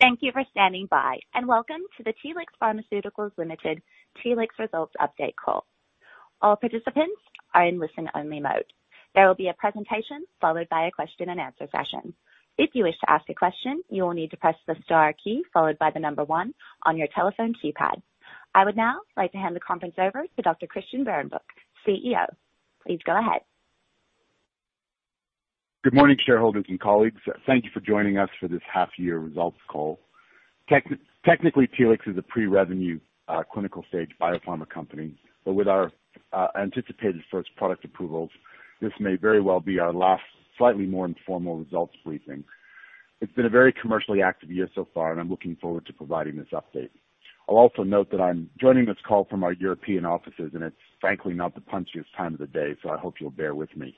Thank you for standing by and welcome to the Telix Pharmaceuticals Limited Telix Results Update Call. All participants are in listen-only mode. There will be a presentation followed by a question-and-answer session. If you wish to ask a question, you will need to press the star key followed by the number one on your telephone keypad. I would now like to hand the conference over to Dr. Christian Behrenbruch, CEO. Please go ahead. Good morning, shareholders and colleagues. Thank you for joining us for this half-year results call. Technically, Telix is a pre-revenue clinical stage biopharma company, but with our anticipated first product approvals, this may very well be our last slightly more informal results briefing. It's been a very commercially active year so far, and I'm looking forward to providing this update. I'll also note that I'm joining this call from our European offices, and it's frankly not the punchiest time of the day, so I hope you'll bear with me.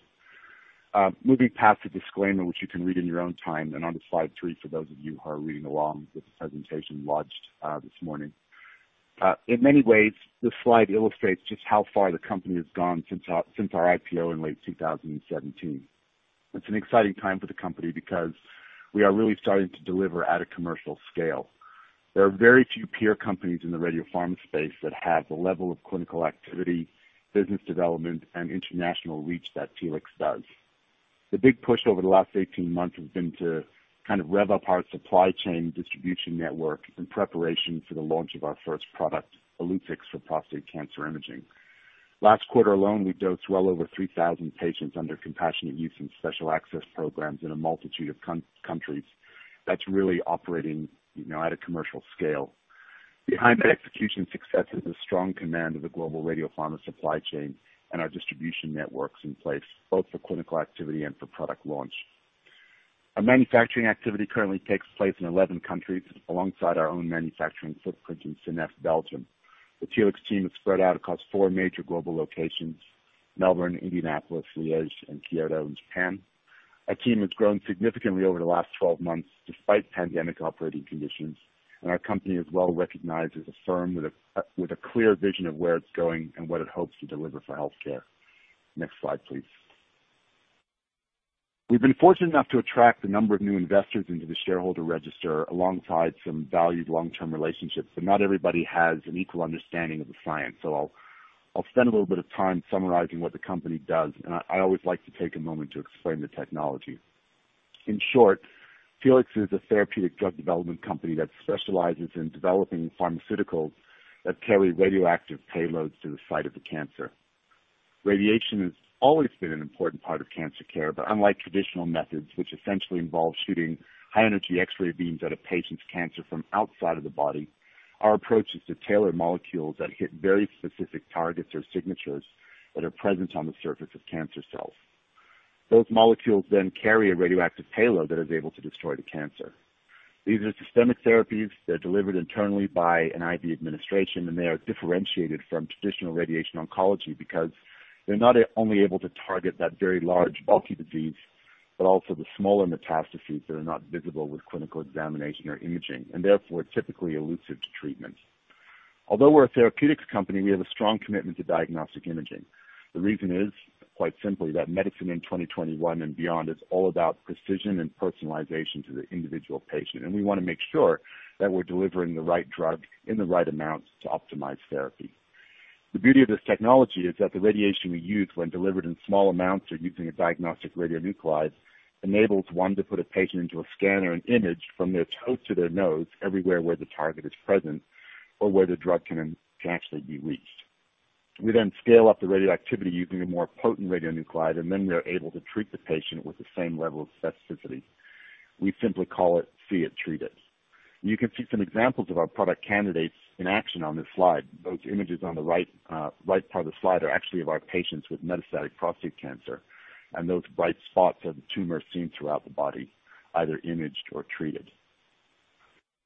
Moving past the disclaimer, which you can read in your own time, and onto slide three for those of you who are reading along with the presentation launched this morning. In many ways, this slide illustrates just how far the company has gone since our IPO in late 2017. It's an exciting time for the company because we are really starting to deliver at a commercial scale. There are very few peer companies in the radiopharm space that have the level of clinical activity, business development, and international reach that Telix does. The big push over the last 18 months has been to kind of rev up our supply chain distribution network in preparation for the launch of our first product, Illuccix, for prostate cancer imaging. Last quarter alone, we dosed well over 3,000 patients under compassionate use and special access programs in a multitude of countries. That's really operating at a commercial scale. Behind that execution success is a strong command of the global radiopharma supply chain and our distribution networks in place, both for clinical activity and for product launch. Our manufacturing activity currently takes place in 11 countries alongside our own manufacturing footprint in Seneffe, Belgium. The Telix team is spread out across four major global locations, Melbourne, Indianapolis, Liege, and Kyoto, in Japan. Our team has grown significantly over the last 12 months despite pandemic operating conditions. Our company is well-recognized as a firm with a clear vision of where it's going and what it hopes to deliver for healthcare. Next slide, please. We've been fortunate enough to attract a number of new investors into the shareholder register alongside some valued long-term relationships. Not everybody has an equal understanding of the science, I'll spend a little bit of time summarizing what the company does. I always like to take a moment to explain the technology. In short, Telix is a therapeutic drug development company that specializes in developing pharmaceuticals that carry radioactive payloads to the site of the cancer. Radiation has always been an important part of cancer care. Unlike traditional methods, which essentially involve shooting high-energy X-ray beams at a patient's cancer from outside of the body, our approach is to tailor molecules that hit very specific targets or signatures that are present on the surface of cancer cells. Those molecules carry a radioactive payload that is able to destroy the cancer. These are systemic therapies. They're delivered internally by an IV administration, and they are differentiated from traditional radiation oncology because they're not only able to target that very large bulky disease, but also the smaller metastases that are not visible with clinical examination or imaging, and therefore typically elusive to treatment. Although we're a therapeutics company, we have a strong commitment to diagnostic imaging. The reason is, quite simply, that medicine in 2021 and beyond is all about precision and personalization to the individual patient, and we want to make sure that we're delivering the right drug in the right amounts to optimize therapy. The beauty of this technology is that the radiation we use when delivered in small amounts or using a diagnostic radionuclide, enables one to put a patient into a scanner and image from their toes to their nose everywhere where the target is present or where the drug can actually be reached. We scale up the radioactivity using a more potent radionuclide, and then we are able to treat the patient with the same level of specificity. We simply call it, see it, treat it. You can see some examples of our product candidates in action on this slide. Those images on the right part of the slide are actually of our patients with metastatic prostate cancer, and those bright spots are the tumors seen throughout the body, either imaged or treated.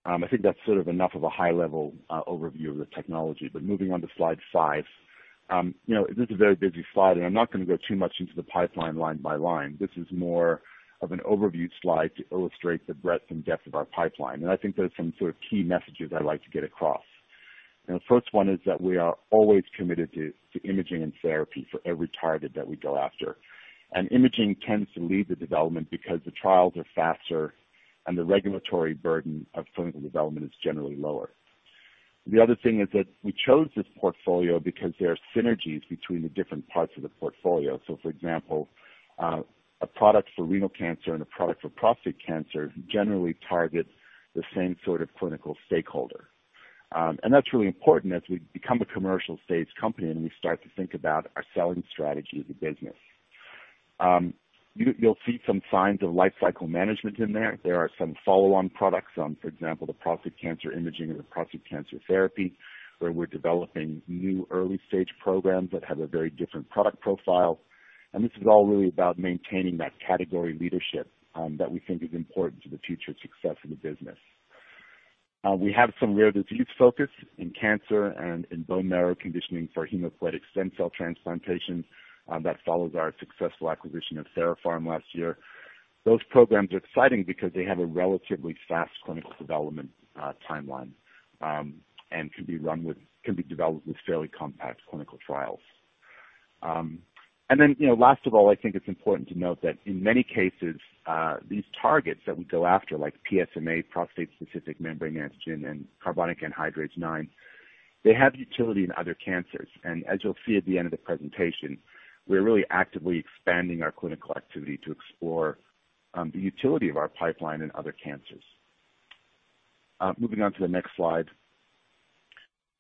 I think that's sort of enough of a high-level overview of the technology. Moving on to slide five. This is a very busy slide, and I'm not going to go too much into the pipeline line by line. This is more of an overview slide to illustrate the breadth and depth of our pipeline, and I think there's some sort of key messages I'd like to get across. The first one is that we are always committed to imaging and therapy for every target that we go after. Imaging tends to lead the development because the trials are faster and the regulatory burden of clinical development is generally lower. The other thing is that we chose this portfolio because there are synergies between the different parts of the portfolio. For example, a product for renal cancer and a product for prostate cancer generally target the same sort of clinical stakeholder. That's really important as we become a commercial-stage company, and we start to think about our selling strategy as a business. You'll see some signs of life cycle management in there. There are some follow-on products, for example, the prostate cancer imaging or the prostate cancer therapy, where we're developing new early-stage programs that have a very different product profile. This is all really about maintaining that category leadership that we think is important to the future success of the business. We have some rare disease focus in cancer and in bone marrow conditioning for hematopoietic stem cell transplantation that follows our successful acquisition of TheraPharm last year. Those programs are exciting because they have a relatively fast clinical development timeline, and can be developed with fairly compact clinical trials. Last of all, I think it's important to note that in many cases, these targets that we go after, like PSMA, prostate-specific membrane antigen, and carbonic anhydrase IX, they have utility in other cancers. As you'll see at the end of the presentation, we're really actively expanding our clinical activity to explore the utility of our pipeline in other cancers. Moving on to the next slide.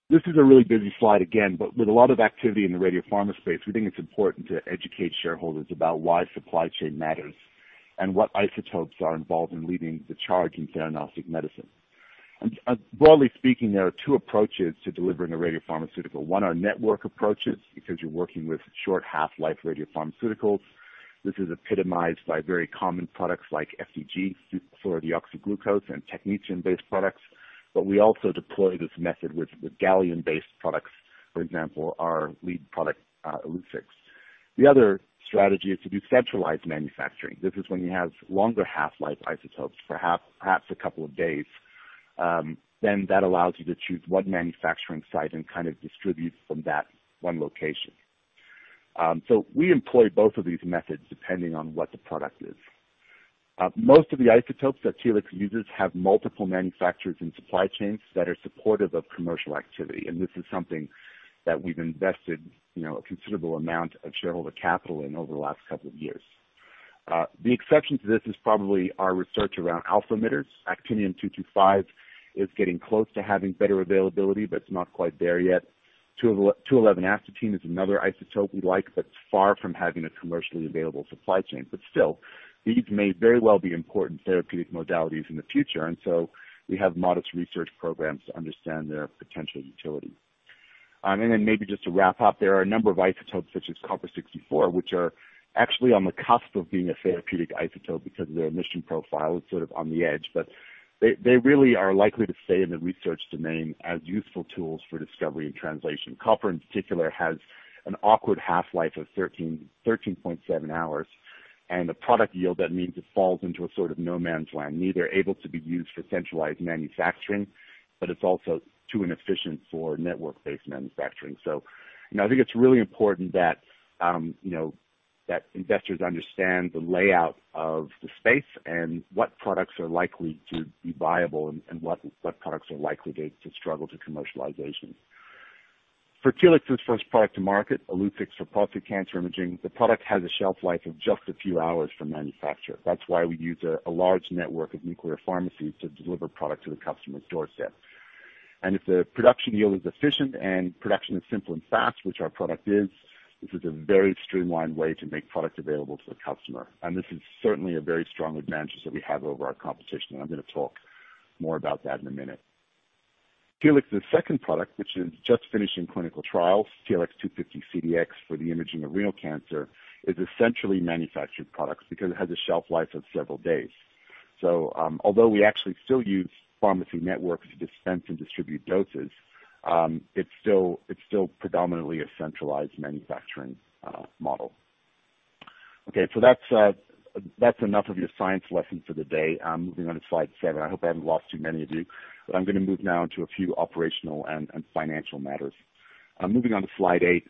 This is a really busy slide again, but with a lot of activity in the radiopharma space, we think it is important to educate shareholders about why supply chain matters and what isotopes are involved in leading the charge in diagnostic medicine. Broadly speaking, there are two approaches to delivering a radiopharmaceutical. One are network approaches, because you are working with short half-life radiopharmaceuticals. This is epitomized by very common products like FDG, fluorodeoxyglucose, and technetium-based products. We also deploy this method with gallium-based products, for example, our lead product, Illuccix. The other strategy is to do centralized manufacturing. This is when you have longer half-life isotopes, perhaps a couple of days, then that allows you to choose one manufacturing site and kind of distribute from that one location. We employ both of these methods depending on what the product is. Most of the isotopes that Telix uses have multiple manufacturers and supply chains that are supportive of commercial activity. This is something that we've invested a considerable amount of shareholder capital in over the last couple of years. The exception to this is probably our research around alpha emitters. Actinium-225 is getting close to having better availability, but it's not quite there yet. Astatine-211 is another isotope we like, but it's far from having a commercially available supply chain. Still, these may very well be important therapeutic modalities in the future, and so we have modest research programs to understand their potential utility. Maybe just to wrap up, there are a number of isotopes such as copper-64, which are actually on the cusp of being a therapeutic isotope because their emission profile is sort of on the edge, but they really are likely to stay in the research domain as useful tools for discovery and translation. Copper, in particular, has an awkward half-life of 13.7 hours, and the product yield, that means it falls into a sort of no man's land, neither able to be used for centralized manufacturing, but it's also too inefficient for network-based manufacturing. I think it's really important that investors understand the layout of the space and what products are likely to be viable and what products are likely to struggle to commercialization. For Telix's first product to market, Illucix for prostate cancer imaging, the product has a shelf life of just a few hours from manufacture. That's why we use a large network of nuclear pharmacies to deliver the product to the customer's doorstep. And if the production yield is efficient and production is simple and fast, which our product is, this is a very streamlined way to make product available to the customer. This is certainly a very strong advantage that we have over our competition. I'm going to talk more about that in a minute. Telix's second product, which is just finishing clinical trials, TLX250-CDx for the imaging of renal cancer, is a centrally manufactured product because it has a shelf life of several days. Although we actually still use pharmacy networks to dispense and distribute doses, it's still predominantly a centralized manufacturing model. Okay. That's enough of your science lesson for the day. Moving on to slide seven. I hope I haven't lost too many of you, but I'm going to move now into a few operational and financial matters. Moving on to slide eight.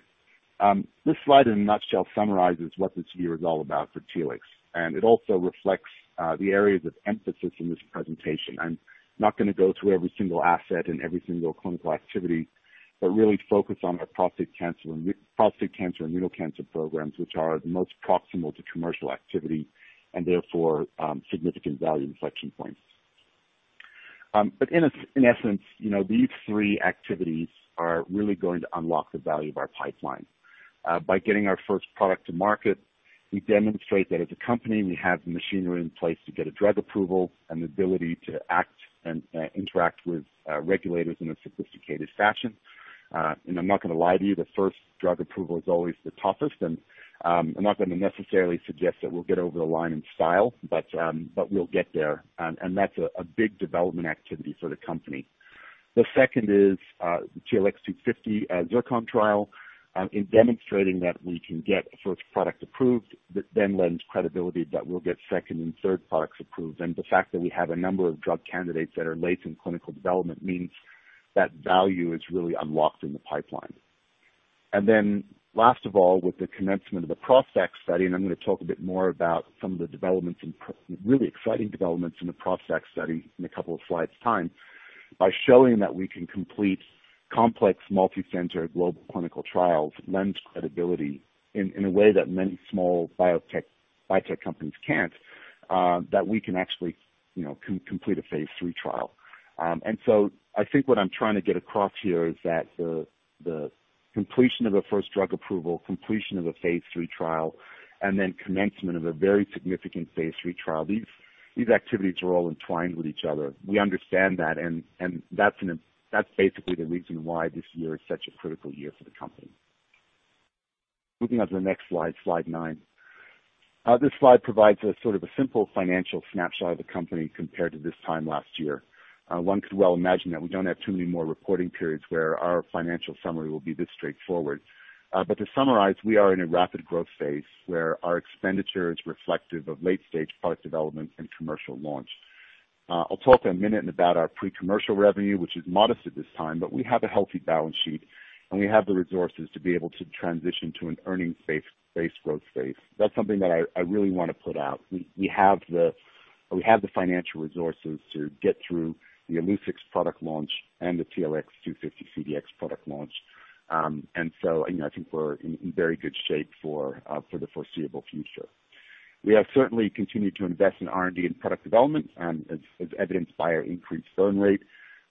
This slide, in a nutshell, summarizes what this year is all about for Telix, and it also reflects the areas of emphasis in this presentation. I'm not going to go through every single asset and every single clinical activity but really focus on the prostate cancer and renal cancer programs, which are the most proximal to commercial activity and therefore significant value inflection points. In essence, these three activities are really going to unlock the value of our pipeline. By getting our first product to market, we demonstrate that as a company, we have the machinery in place to get a drug approval and the ability to act and interact with regulators in a sophisticated fashion. I'm not going to lie to you, the first drug approval is always the toughest, and I'm not going to necessarily suggest that we'll get over the line in style, but we'll get there, and that's a big development activity for the company. The second is the TLX250 and ZIRCON trial. In demonstrating that we can get a first product approved, that then lends credibility that we'll get second and third products approved, and the fact that we have a number of drug candidates that are late in clinical development means that value is really unlocked in the pipeline. Last of all, with the commencement of the ProstACT study, I'm going to talk a bit more about some of the really exciting developments in the ProstACT study in a couple of slides' time. By showing that we can complete complex multi-center global clinical trials lends credibility in a way that many small biotech companies can't, that we can actually complete a phase III trial. I think what I'm trying to get across here is that the completion of a first drug approval, completion of a phase III trial, and then commencement of a very significant phase III trial, these activities are all entwined with each other. We understand that's basically the reason why this year is such a critical year for the company. Moving on to the next slide nine. This slide provides a sort of a simple financial snapshot of the company compared to this time last year. One could well imagine that we don't have too many more reporting periods where our financial summary will be this straightforward. To summarize, we are in a rapid growth phase where our expenditure is reflective of late-stage product development and commercial launch. I'll talk in a minute about our pre-commercial revenue, which is modest at this time, but we have a healthy balance sheet, and we have the resources to be able to transition to an earnings-based growth phase. That's something that I really want to put out. We have the financial resources to get through the Illuccix product launch and the TLX250-CDx product launch. I think we're in very good shape for the foreseeable future. We have certainly continued to invest in R&D and product development, as evidenced by our increased burn rate.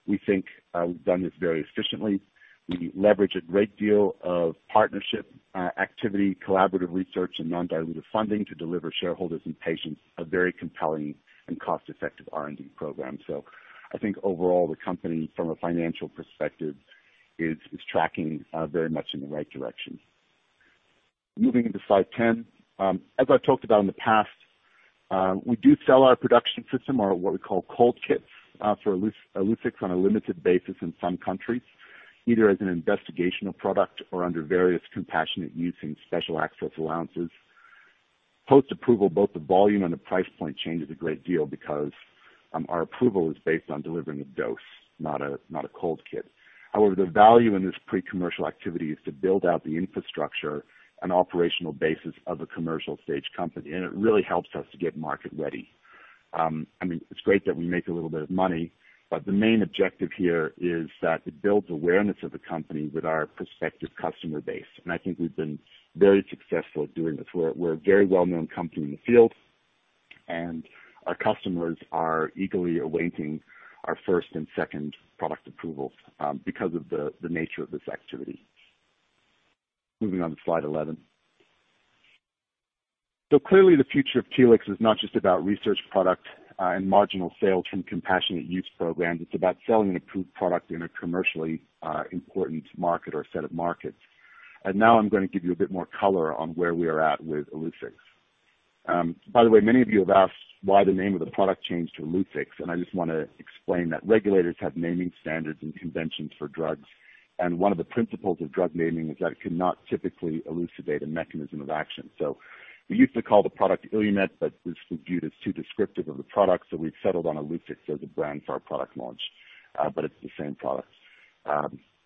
We think we've done this very efficiently. We leverage a great deal of partnership activity, collaborative research, and non-dilutive funding to deliver shareholders and patients a very compelling and cost-effective R&D program. I think overall, the company, from a financial perspective, is tracking very much in the right direction. Moving into slide 10. As I've talked about in the past, we do sell our production system, or what we call cold kits, for Illuccix on a limited basis in some countries, either as an investigational product or under various compassionate use and special access allowances. Post-approval, both the volume and the price point changes a great deal because our approval is based on delivering a dose, not a cold kit. The value in this pre-commercial activity is to build out the infrastructure and operational basis of a commercial-stage company. It really helps us to get market ready. It's great that we make a little bit of money. The main objective here is that it builds awareness of the company with our prospective customer base. I think we've been very successful at doing this. We're a very well-known company in the field. Our customers are eagerly awaiting our first and second product approval because of the nature of this activity. Moving on to slide 11. Clearly the future of Telix is not just about research product and marginal sales from compassionate use programs. It's about selling an approved product in a commercially important market or set of markets. Now I'm going to give you a bit more color on where we are at with Illuccix. By the way, many of you have asked why the name of the product changed to Illuccix, and I just want to explain that regulators have naming standards and conventions for drugs, and one of the principles of drug naming is that it cannot typically elucidate a mechanism of action. We used to call the product Illumet, this was viewed as too descriptive of the product. We've settled on Illuccix as a brand for our product launch, it's the same product.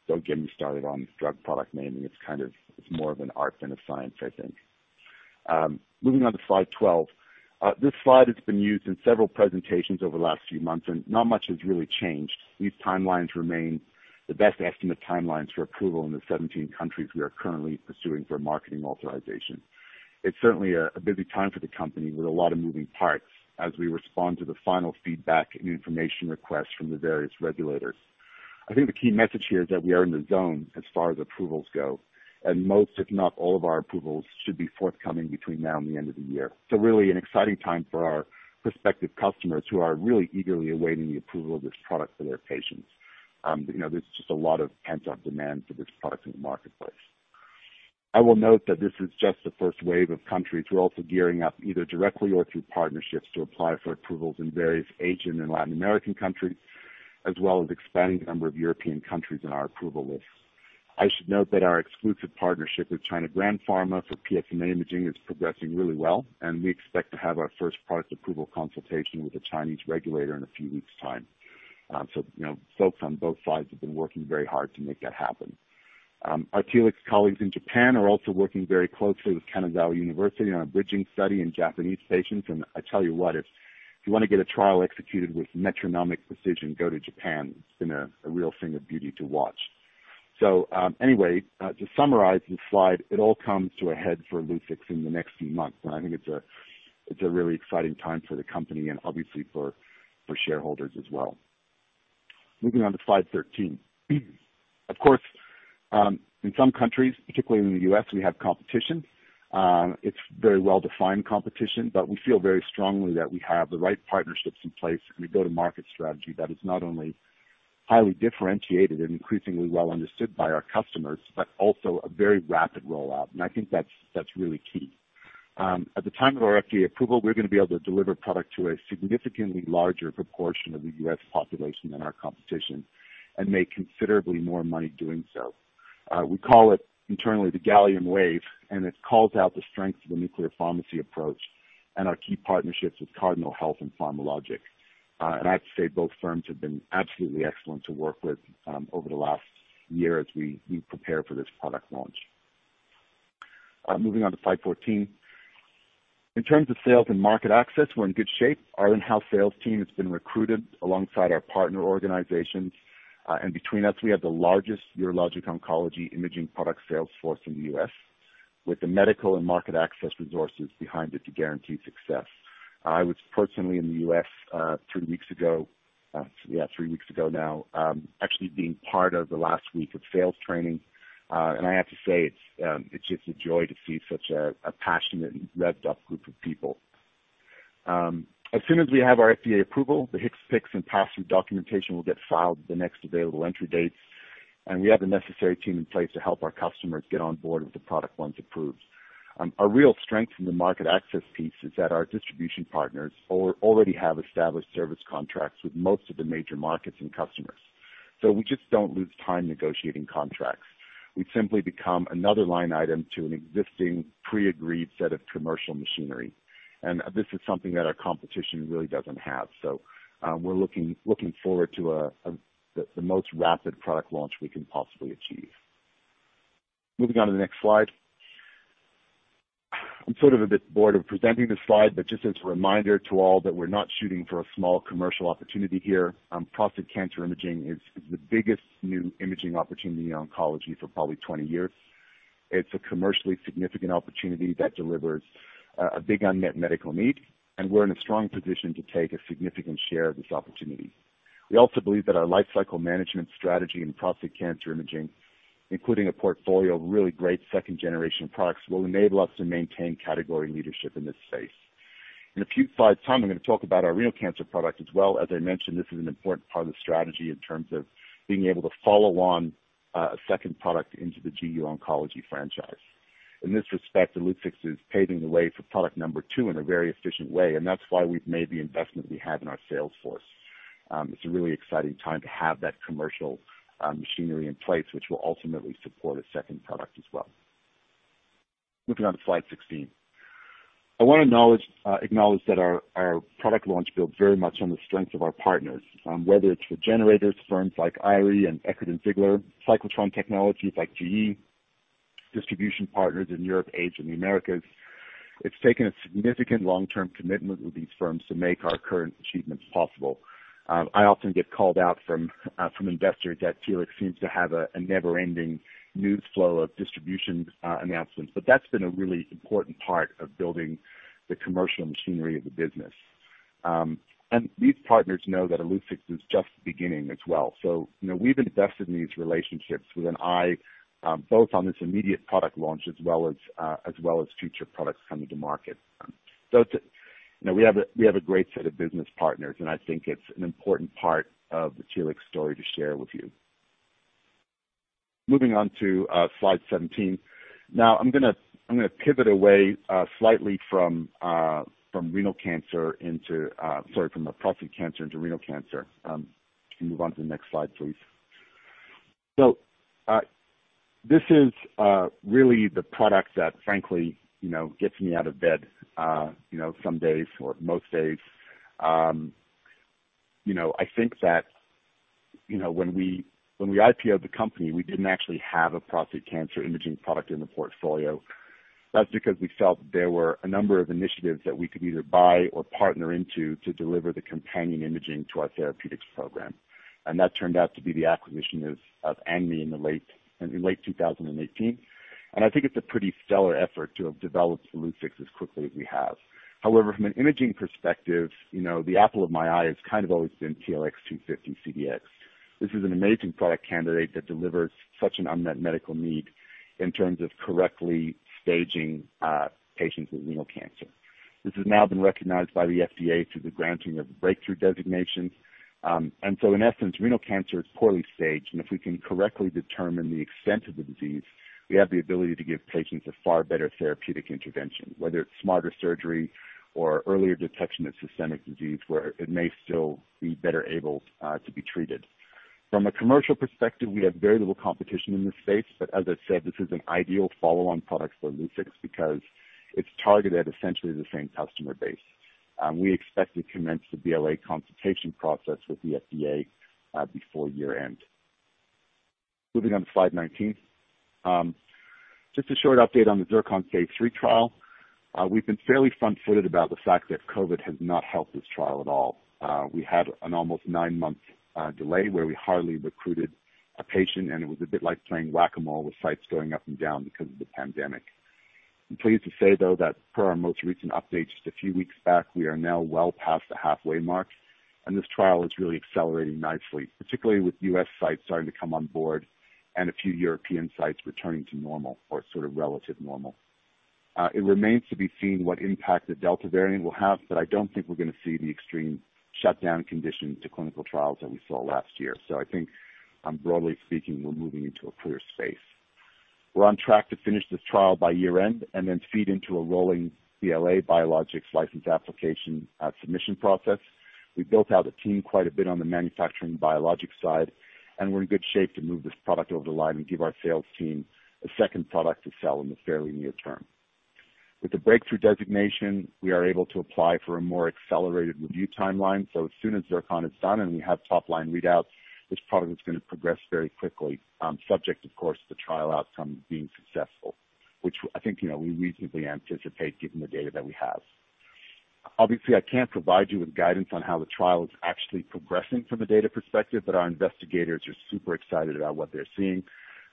Don't get me started on drug product naming. It's more of an art than a science, I think. Moving on to slide 12. This slide has been used in several presentations over the last few months, not much has really changed. These timelines remain the best estimate timelines for approval in the 17 countries we are currently pursuing for marketing authorization. It's certainly a busy time for the company with a lot of moving parts as we respond to the final feedback and information requests from the various regulators. I think the key message here is that we are in the zone as far as approvals go, and most, if not all of our approvals should be forthcoming between now and the end of the year. Really an exciting time for our prospective customers who are really eagerly awaiting the approval of this product for their patients. There's just a lot of pent-up demand for this product in the marketplace. I will note that this is just the first wave of countries. We're also gearing up, either directly or through partnerships, to apply for approvals in various Asian and Latin American countries, as well as expanding the number of European countries in our approval list. I should note that our exclusive partnership with China Grand Pharma for PSMA imaging is progressing really well, and we expect to have our first product approval consultation with the Chinese regulator in a few weeks' time. Folks on both sides have been working very hard to make that happen. Our Telix colleagues in Japan are also working very closely with Kanazawa University on a bridging study in Japanese patients. I tell you what, if you want to get a trial executed with metronomic precision, go to Japan. It's been a real thing of beauty to watch. Anyway, to summarize this slide, it all comes to a head for Illuccix in the next few months, and I think it's a really exciting time for the company and obviously for shareholders as well. Moving on to slide 13. Of course, in some countries, particularly in the U.S., we have competition. It's very well-defined competition, but we feel very strongly that we have the right partnerships in place and we build a go-to-market strategy that is not only highly differentiated and increasingly well understood by our customers, but also a very rapid rollout. I think that's really key. At the time of our FDA approval, we're going to be able to deliver product to a significantly larger proportion of the U.S. population than our competition and make considerably more money doing so. We call it internally the gallium wave. It calls out the strength of the nuclear pharmacy approach and our key partnerships with Cardinal Health and PharmaLogic. I have to say, both firms have been absolutely excellent to work with over the last year as we prepare for this product launch. Moving on to slide 14. In terms of sales and market access, we're in good shape. Our in-house sales team has been recruited alongside our partner organizations. Between us, we have the largest urologic oncology imaging product sales force in the U.S. with the medical and market access resources behind it to guarantee success. I was personally in the U.S. three weeks ago now, actually being part of the last week of sales training. I have to say, it's just a joy to see such a passionate and revved-up group of people. As soon as we have our FDA approval, the HCPCS and pass-through documentation will get filed the next available entry dates, and we have the necessary team in place to help our customers get on board with the product once approved. Our real strength in the market access piece is that our distribution partners already have established service contracts with most of the major markets and customers. We just don't lose time negotiating contracts. We simply become another line item to an existing pre-agreed set of commercial machinery, and this is something that our competition really doesn't have. We're looking forward to the most rapid product launch we can possibly achieve. Moving on to the next slide. I'm sort of a bit bored of presenting this slide, but just as a reminder to all that we're not shooting for a small commercial opportunity here. Prostate cancer imaging is the biggest new imaging opportunity in oncology for probably 20 years. It's a commercially significant opportunity that delivers a big unmet medical need, and we're in a strong position to take a significant share of this opportunity. We also believe that our lifecycle management strategy in prostate cancer imaging, including a portfolio of really great second-generation products, will enable us to maintain category leadership in this space. In a few slides' time, I'm going to talk about our renal cancer product as well. As I mentioned, this is an important part of the strategy in terms of being able to follow on a second product into the GU oncology franchise. In this respect, Illuccix is paving the way for product number two in a very efficient way, and that's why we've made the investment we have in our sales force. It's a really exciting time to have that commercial machinery in place, which will ultimately support a second product as well. Moving on to slide 16. I want to acknowledge that our product launch built very much on the strength of our partners. Whether it's with generators, firms like IRE ELiT and Eckert & Ziegler, cyclotron technologies like GE, distribution partners in Europe, Asia, and the Americas, it's taken a significant long-term commitment with these firms to make our current achievements possible. I often get called out from investors that Telix seems to have a never-ending news flow of distribution announcements. That's been a really important part of building the commercial machinery of the business. These partners know that Illuccix is just beginning as well. We've invested in these relationships with an eye both on this immediate product launch as well as future products coming to market. We have a great set of business partners, and I think it's an important part of the Telix story to share with you. Moving on to slide 17. I'm going to pivot away slightly from prostate cancer into renal cancer. Can we move on to the next slide, please? This is really the product that frankly gets me out of bed some days or most days. I think that when we IPO-ed the company, we didn't actually have a prostate cancer imaging product in the portfolio. That's because we felt there were a number of initiatives that we could either buy or partner into to deliver the companion imaging to our therapeutics program. That turned out to be the acquisition of Atlab Pharma in late 2018. I think it's a pretty stellar effort to have developed Illuccix as quickly as we have. However, from an imaging perspective, the apple of my eye has kind of always been TLX250-CDx. This is an amazing product candidate that delivers such an unmet medical need in terms of correctly staging patients with renal cancer. This has now been recognized by the FDA through the granting of Breakthrough designations. In essence, renal cancer is poorly staged, and if we can correctly determine the extent of the disease, we have the ability to give patients a far better therapeutic intervention, whether it's smarter surgery or earlier detection of systemic disease, where it may still be better able to be treated. From a commercial perspective, we have very little competition in this space, but as I said, this is an ideal follow-on product for Illuccix because it's targeted at essentially the same customer base. We expect to commence the BLA consultation process with the FDA before year-end. Moving on to slide 19. Just a short update on the ZIRCON phase III trial. We've been fairly front footed about the fact that COVID has not helped this trial at all. We had an almost nine-month delay where we hardly recruited a patient, and it was a bit like playing Whac-A-Mole with sites going up and down because of the pandemic. I'm pleased to say, though, that per our most recent update just a few weeks back, we are now well past the halfway mark. This trial is really accelerating nicely, particularly with U.S. sites starting to come on board and a few European sites returning to normal or sort of relative normal. It remains to be seen what impact the Delta variant will have. I don't think we're going to see the extreme shutdown conditions to clinical trials that we saw last year. I think broadly speaking, we're moving into a clearer space. We're on track to finish this trial by year-end. Then feed into a rolling BLA, Biologics License Application submission process. We built out a team quite a bit on the manufacturing biologics side, and we're in good shape to move this product over the line and give our sales team a second product to sell in the fairly near term. With the breakthrough designation, we are able to apply for a more accelerated review timeline. As soon as ZIRCON is done and we have top-line readouts, this product is going to progress very quickly, subject of course to trial outcomes being successful, which I think we reasonably anticipate given the data that we have. Obviously, I can't provide you with guidance on how the trial is actually progressing from a data perspective, but our investigators are super excited about what they're seeing.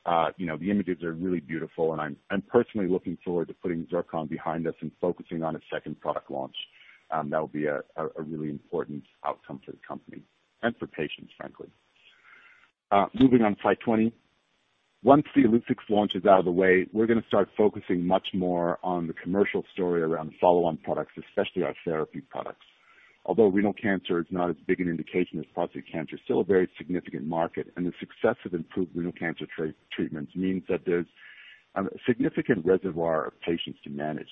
The images are really beautiful, and I'm personally looking forward to putting ZIRCON behind us and focusing on a second product launch. That will be a really important outcome for the company and for patients, frankly. Moving on to slide 20. Once the Illuccix launch is out of the way, we're going to start focusing much more on the commercial story around follow-on products, especially our therapy products. Although renal cancer is not as big an indication as prostate cancer, it's still a very significant market. The success of improved renal cancer treatments means that there's a significant reservoir of patients to manage,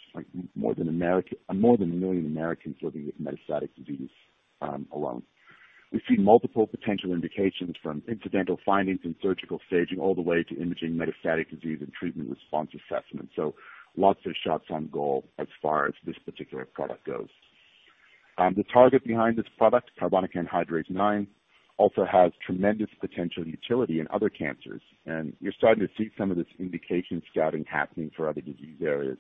more than one million Americans living with metastatic disease alone. We see multiple potential indications from incidental findings in surgical staging all the way to imaging metastatic disease and treatment response assessment. Lots of shots on goal as far as this particular product goes. The target behind this product, carbonic anhydrase IX, also has tremendous potential utility in other cancers. You're starting to see some of this indication scouting happening for other disease areas.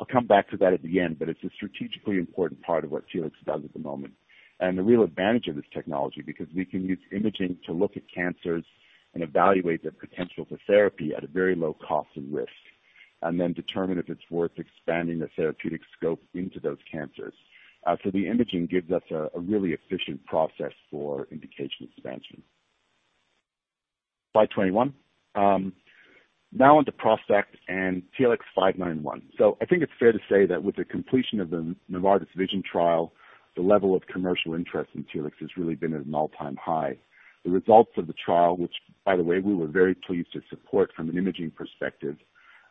I'll come back to that at the end. It's a strategically important part of what Telix does at the moment. The real advantage of this technology, because we can use imaging to look at cancers and evaluate their potential for therapy at a very low cost and risk, and then determine if it's worth expanding the therapeutic scope into those cancers. The imaging gives us a really efficient process for indication expansion. Slide 21. Now on to ProstACT and TLX591. I think it's fair to say that with the completion of the Novartis VISION trial, the level of commercial interest in Telix has really been at an all-time high. The results of the trial, which, by the way, we were very pleased to support from an imaging perspective,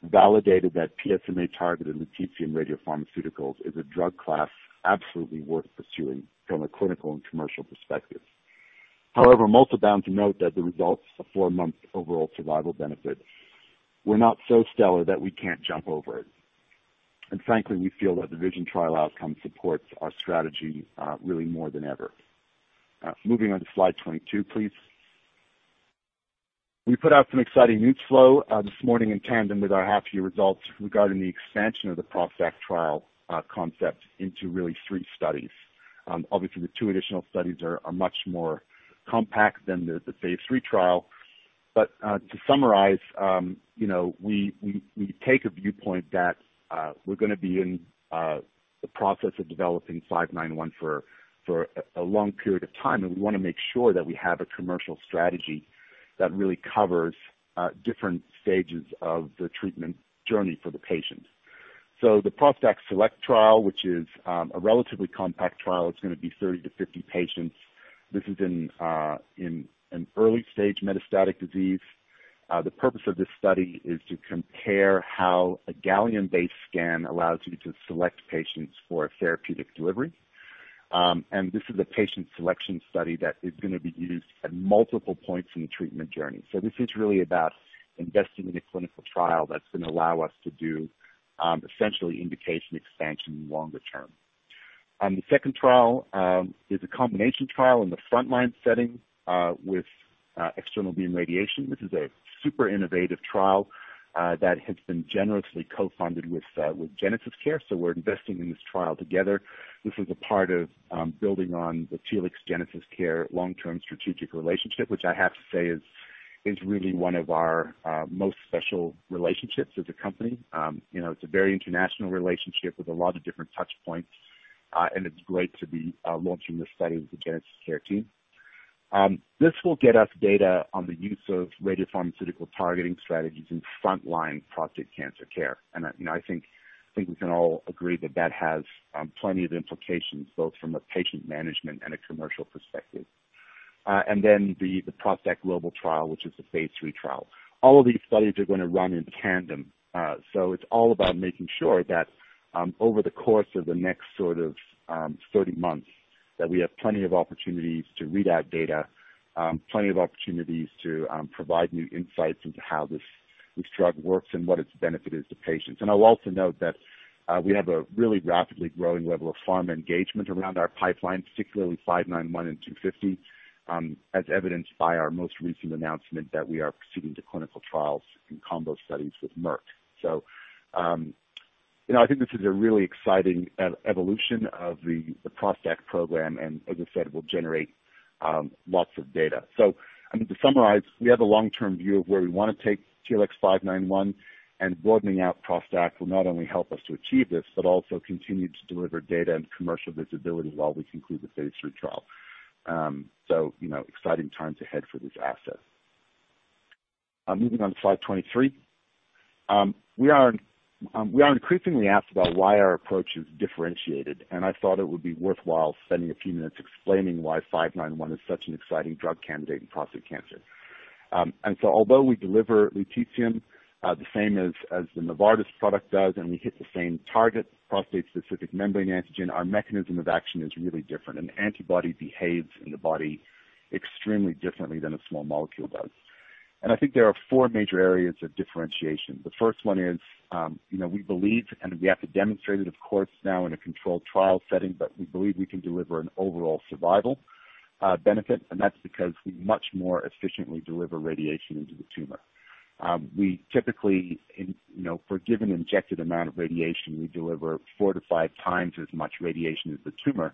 validated that PSMA-targeted lutetium radiopharmaceuticals is a drug class absolutely worth pursuing from a clinical and commercial perspective. I'm also bound to note that the results, a four-month overall survival benefit, were not so stellar that we can't jump over it. Frankly, we feel that the VISION trial outcome supports our strategy really more than ever. Moving on to slide 22, please. We put out some exciting news flow this morning in tandem with our half year results regarding the expansion of the ProstACT trial concept into really three studies. The two additional studies are much more compact than the phase III trial. To summarize, we take a viewpoint that we're going to be in the process of developing 591 for a long period of time, and we want to make sure that we have a commercial strategy that really covers different stages of the treatment journey for the patient. The ProstACT SELECT trial, which is a relatively compact trial, it's going to be 30-50 patients. This is in an early stage metastatic disease. The purpose of this study is to compare how a gallium-based scan allows you to select patients for therapeutic delivery. This is a patient selection study that is going to be used at multiple points in the treatment journey. This is really about investing in a clinical trial that's going to allow us to do essentially indication expansion longer term. The second trial is a combination trial in the frontline setting with external beam radiation. This is a super innovative trial that has been generously co-funded with GenesisCare. We're investing in this trial together. This is a part of building on the Telix/GenesisCare long-term strategic relationship, which I have to say is really one of our most special relationships as a company. It's a very international relationship with a lot of different touch points, and it's great to be launching this study with the GenesisCare team. This will get us data on the use of radiopharmaceutical targeting strategies in frontline prostate cancer care. I think we can all agree that that has plenty of implications, both from a patient management and a commercial perspective. The ProstACT GLOBAL trial, which is a phase III trial. All of these studies are going to run in tandem. It's all about making sure that over the course of the next sort of 30 months, that we have plenty of opportunities to read out data, plenty of opportunities to provide new insights into how this drug works and what its benefit is to patients. I'll also note that we have a really rapidly growing level of pharma engagement around our pipeline, particularly TLX591 and TLX250, as evidenced by our most recent announcement that we are proceeding to clinical trials in combo studies with Merck. I think this is a really exciting evolution of the ProstACT program, and as I said, will generate lots of data. To summarize, we have a long-term view of where we want to take TLX591, and broadening out ProstACT will not only help us to achieve this, but also continue to deliver data and commercial visibility while we conclude the phase III trial. Exciting times ahead for this asset. Moving on to slide 23. We are increasingly asked about why our approach is differentiated, and I thought it would be worthwhile spending a few minutes explaining why 591 is such an exciting drug candidate in prostate cancer. Although we deliver lutetium the same as the Novartis product does, and we hit the same target, prostate-specific membrane antigen, our mechanism of action is really different. An antibody behaves in the body extremely differently than a small molecule does. I think there are four major areas of differentiation. The first one is we believe, and we have to demonstrate it, of course, now in a controlled trial setting, but we believe we can deliver an overall survival benefit, and that's because we much more efficiently deliver radiation into the tumor. We typically, for a given injected amount of radiation, we deliver 4x-5x as much radiation as the tumor,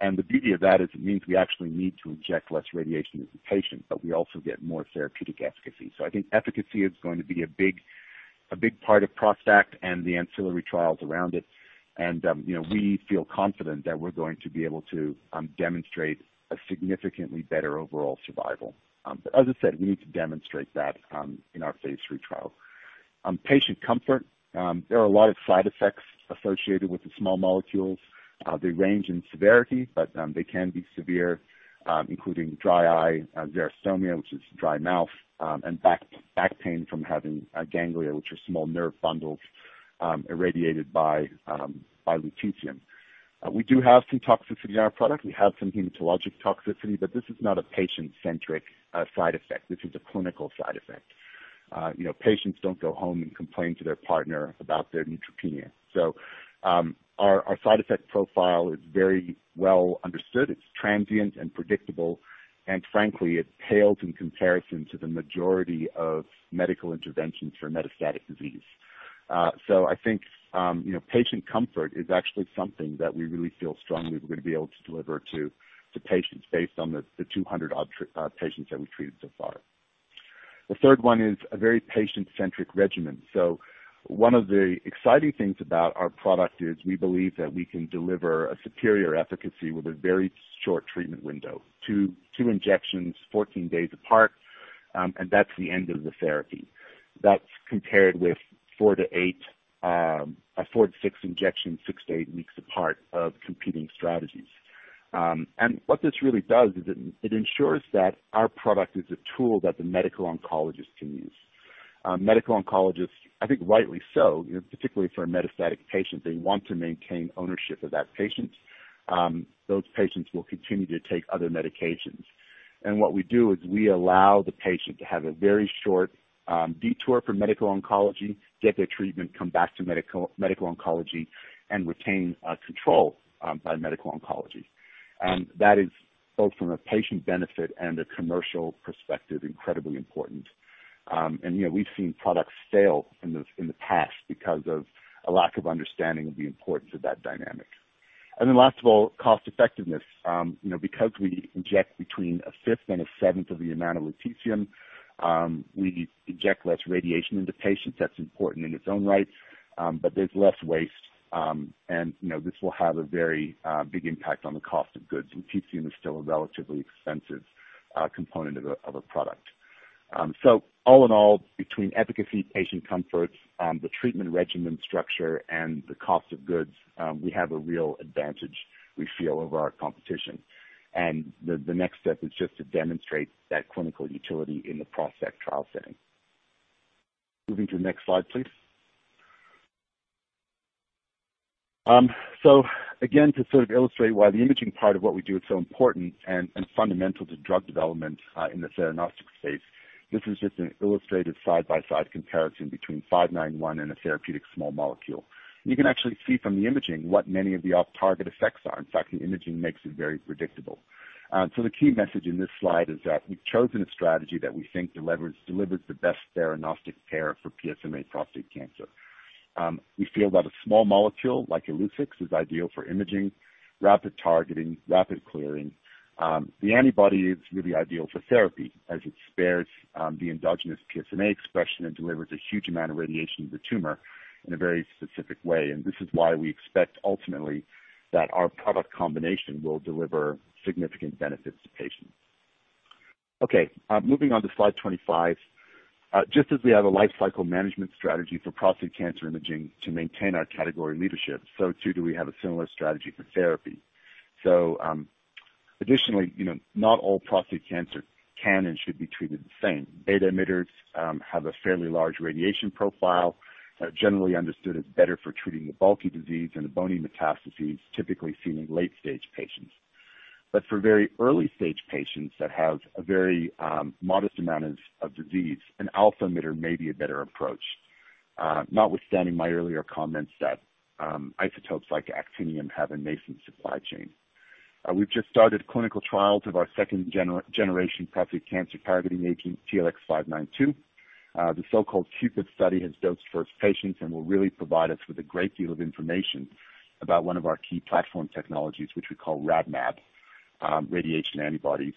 and the beauty of that is it means we actually need to inject less radiation into the patient, but we also get more therapeutic efficacy. I think efficacy is going to be a big part of ProstACT and the ancillary trials around it, and we feel confident that we're going to be able to demonstrate a significantly better overall survival. As I said, we need to demonstrate that in our phase III trial. Patient comfort. There are a lot of side effects associated with the small molecules. They range in severity, but they can be severe, including dry eye, xerostomia, which is dry mouth, and back pain from having ganglia, which are small nerve bundles irradiated by lutetium. We do have some toxicity in our product. We have some hematologic toxicity, but this is not a patient-centric side effect. This is a clinical side effect. Patients don't go home and complain to their partner about their neutropenia. Our side effect profile is very well understood. It's transient and predictable, and frankly, it pales in comparison to the majority of medical interventions for metastatic disease. I think patient comfort is actually something that we really feel strongly we're going to be able to deliver to patients based on the 200 odd patients that we've treated so far. The third one is a very patient-centric regimen. One of the exciting things about our product is we believe that we can deliver a superior efficacy with a very short treatment window, two injections 14 days apart, and that's the end of the therapy. That's compared with four to six injections, six to eight weeks apart of competing strategies. What this really does is it ensures that our product is a tool that the medical oncologist can use. Medical oncologists, I think rightly so, particularly for metastatic patients, they want to maintain ownership of that patient. Those patients will continue to take other medications. What we do is we allow the patient to have a very short detour from medical oncology, get their treatment, come back to medical oncology, and retain control by medical oncology. That is both from a patient benefit and a commercial perspective, incredibly important. We've seen products fail in the past because of a lack of understanding of the importance of that dynamic. Last of all, cost-effectiveness. Because we inject between a fifth and a seventh of the amount of lutetium, we inject less radiation into patients. That's important in its own right. There's less waste, this will have a very big impact on the cost of goods. lutetium is still a relatively expensive component of a product. All in all, between efficacy, patient comfort, the treatment regimen structure, and the cost of goods, we have a real advantage, we feel, over our competition. The next step is just to demonstrate that clinical utility in the ProstACT trial setting. Moving to the next slide, please. Again, to sort of illustrate why the imaging part of what we do is so important and fundamental to drug development in the theranostics space, this is just an illustrated side-by-side comparison between 591 and a therapeutic small molecule. You can actually see from the imaging what many of the off-target effects are. In fact, the imaging makes it very predictable. The key message in this slide is that we've chosen a strategy that we think delivers the best theranostics pair for PSMA prostate cancer. We feel that a small molecule like Illuccix is ideal for imaging, rapid targeting, rapid clearing. The antibody is really ideal for therapy as it spares the endogenous PSMA expression and delivers a huge amount of radiation to the tumor in a very specific way. This is why we expect, ultimately, that our product combination will deliver significant benefits to patients. Moving on to slide 25. Just as we have a lifecycle management strategy for prostate cancer imaging to maintain our category leadership, so too do we have a similar strategy for therapy. Additionally, not all prostate cancer can and should be treated the same. beta emitters have a fairly large radiation profile, generally understood as better for treating the bulky disease and the bony metastases typically seen in late-stage patients. For very early-stage patients that have a very modest amount of disease, an alpha emitter may be a better approach, notwithstanding my earlier comments that isotopes like actinium have a nascent supply chain. We've just started clinical trials of our second-generation prostate cancer targeting agent, TLX592. The so-called CUPID study has dosed first patients and will really provide us with a great deal of information about one of our key platform technologies, which we call RADmAb, radiation antibodies.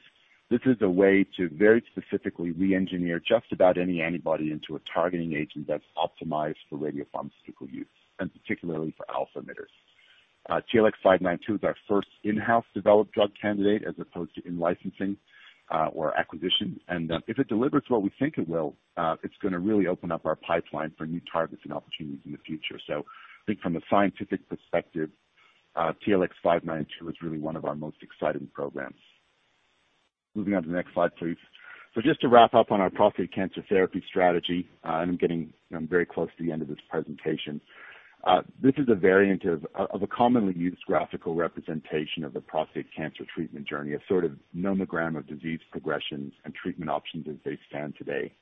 This is a way to very specifically re-engineer just about any antibody into a targeting agent that's optimized for radiopharmaceutical use, and particularly for alpha emitters. TLX592 is our first in-house developed drug candidate as opposed to in-licensing or acquisition. If it delivers what we think it will, it's going to really open up our pipeline for new targets and opportunities in the future. I think from a scientific perspective, TLX592 is really one of our most exciting programs. Moving on to the next slide, please. Just to wrap up on our prostate cancer therapy strategy, and I'm getting very close to the end of this presentation. This is a variant of a commonly used graphical representation of the prostate cancer treatment journey, a sort of nomogram of disease progressions and treatment options as they stand today.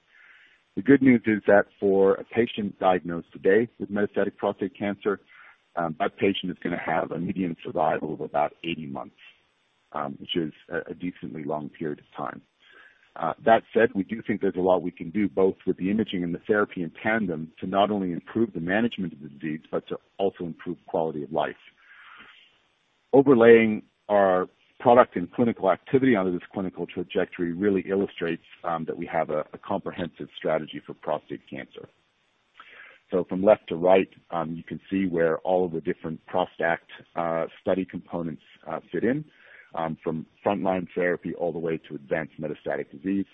The good news is that for a patient diagnosed today with metastatic prostate cancer, that patient is going to have a median survival of about 80 months, which is a decently long period of time. That said, we do think there is a lot we can do both with the imaging and the therapy in tandem to not only improve the management of the disease, but to also improve quality of life. Overlaying our product and clinical activity onto this clinical trajectory really illustrates that we have a comprehensive strategy for prostate cancer. From left to right, you can see where all of the different ProstACT study components fit in, from frontline therapy all the way to advanced metastatic disease.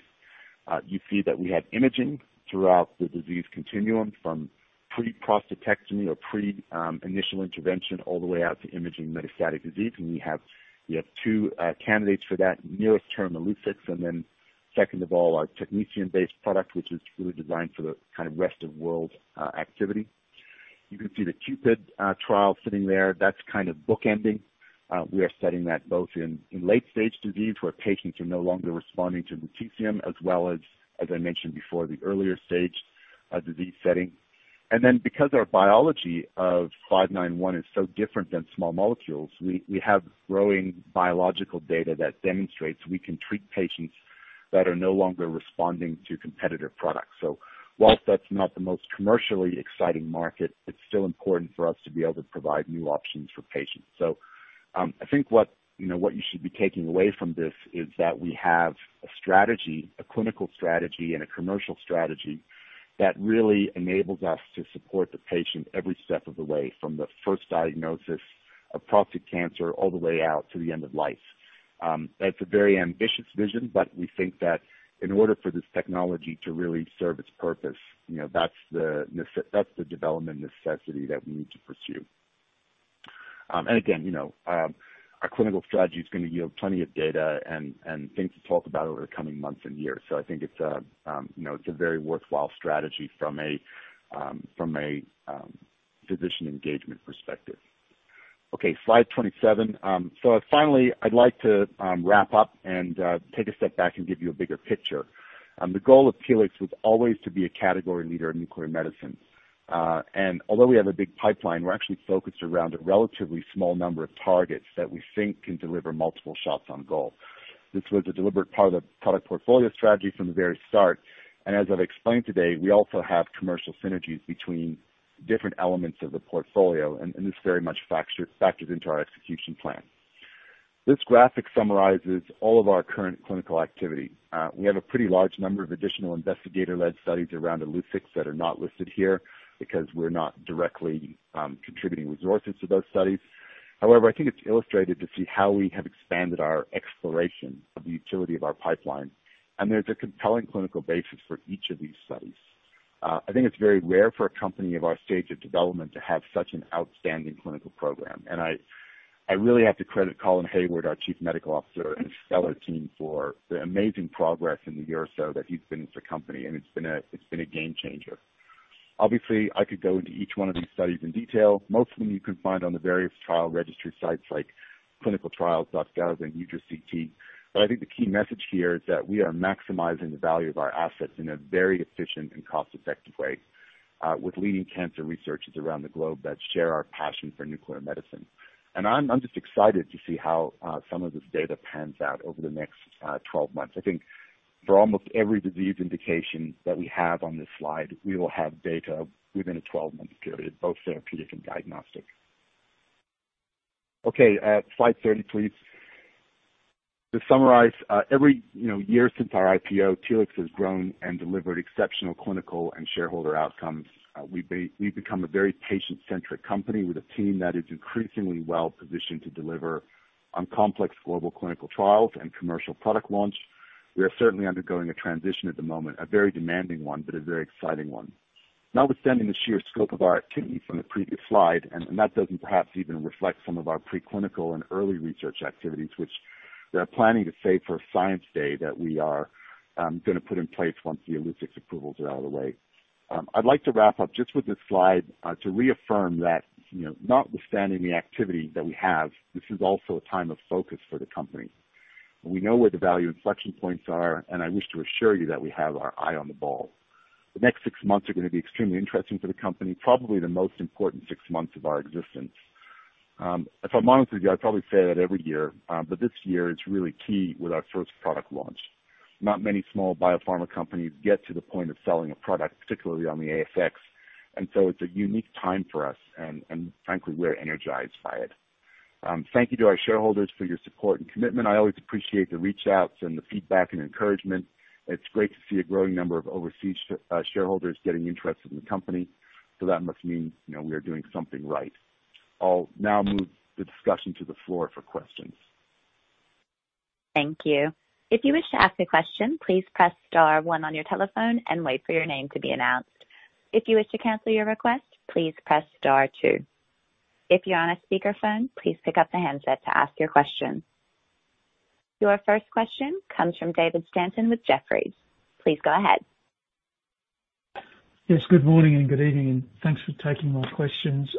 You see that we have imaging throughout the disease continuum from pre-prostatectomy or pre-initial intervention all the way out to imaging metastatic disease, and we have two candidates for that, nearest term Illuccix and then second of all, our technetium-based product, which is really designed for the rest of world activity. You can see the CUPID trial sitting there. That's bookending. We are studying that both in late-stage disease, where patients are no longer responding to lutetium, as well as I mentioned before, the earlier-stage disease setting. Because our biology of 591 is so different than small molecules, we have growing biological data that demonstrates we can treat patients that are no longer responding to competitive products. Whilst that's not the most commercially exciting market, it's still important for us to be able to provide new options for patients. I think what you should be taking away from this is that we have a clinical strategy and a commercial strategy that really enables us to support the patient every step of the way, from the first diagnosis of prostate cancer all the way out to the end of life. That's a very ambitious VISION, but we think that in order for this technology to really serve its purpose, that's the development necessity that we need to pursue. Again, our clinical strategy is going to yield plenty of data and things to talk about over the coming months and years. I think it's a very worthwhile strategy from a physician engagement perspective. Slide 27. Finally, I'd like to wrap up and take a step back and give you a bigger picture. The goal of Telix was always to be a category leader in nuclear medicine. Although we have a big pipeline, we're actually focused around a relatively small number of targets that we think can deliver multiple shots on goal. This was a deliberate part of the product portfolio strategy from the very start, and as I've explained today, we also have commercial synergies between different elements of the portfolio, and this very much factors into our execution plan. This graphic summarizes all of our current clinical activity. We have a pretty large number of additional investigator-led studies around Illuccix that are not listed here, because we're not directly contributing resources to those studies. However, I think it's illustrated to see how we have expanded our exploration of the utility of our pipeline, and there's a compelling clinical basis for each of these studies. I think it's very rare for a company of our stage of development to have such an outstanding clinical program. I really have to credit Colin Hayward, our Chief Medical Officer, and his stellar team for the amazing progress in the year or so that he's been with the company, and it's been a game changer. Obviously, I could go into each one of these studies in detail. Most of them you can find on the various trial registry sites like clinicaltrials.gov and EudraCT. I think the key message here is that we are maximizing the value of our assets in a very efficient and cost-effective way, with leading cancer researchers around the globe that share our passion for nuclear medicine. I'm just excited to see how some of this data pans out over the next 12 months. I think for almost every disease indication that we have on this slide, we will have data within a 12-month period, both therapeutic and diagnostic. Okay, slide 30, please. To summarize, every year since our IPO, Telix has grown and delivered exceptional clinical and shareholder outcomes. We've become a very patient-centric company with a team that is increasingly well-positioned to deliver on complex global clinical trials and commercial product launch. We are certainly undergoing a transition at the moment, a very demanding one, but a very exciting one. Notwithstanding the sheer scope of our activities on the previous slide, that doesn't perhaps even reflect some of our preclinical and early research activities, which we are planning to save for Science Day, that we are going to put in place once the Illuccix approvals are out of the way. I'd like to wrap up just with this slide to reaffirm that notwithstanding the activity that we have, this is also a time of focus for the company. We know where the value inflection points are, and I wish to assure you that we have our eye on the ball. The next six months are going to be extremely interesting for the company, probably the most important six months of our existence. If I'm honest with you, I'd probably say that every year, but this year it's really key with our first one product launch. Not many small biopharma companies get to the point of selling a product, particularly on the ASX. It's a unique time for us, and frankly, we're energized by it. Thank you to our shareholders for your support and commitment. I always appreciate the reach outs and the feedback and encouragement. It's great to see a growing number of overseas shareholders getting interested in the company. That must mean we are doing something right. I'll now move the discussion to the floor for questions. Thank you. If you wish to ask a question, please press star one on your telephone and wait for your name to be announced. If you wish to cancel your request, please press star two. If you are on a speakerphone, please pick up the handset to ask your question. Your first question comes from David Stanton with Jefferies. Please go ahead. Good morning and good evening, and thanks for taking my questions.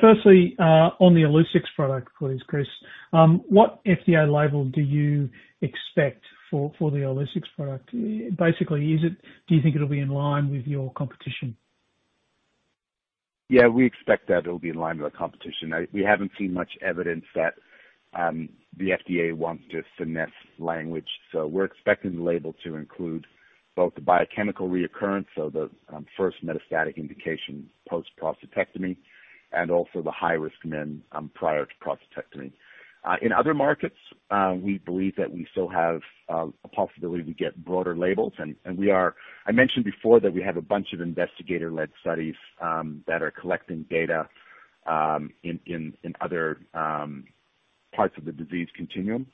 Firstly, on the Illuccix product, please, Chris, what FDA label do you expect for the Illuccix product? Basically, do you think it'll be in line with your competition? We expect that it'll be in line with our competition. We haven't seen much evidence that the FDA wants to finesse language, so we're expecting the label to include both the biochemical recurrence, so the first metastatic indication post-prostatectomy, and also the high-risk men prior to prostatectomy. In other markets, we believe that we still have a possibility to get broader labels. I mentioned before that we have a bunch of investigator-led studies that are collecting data in other parts of the disease continuum,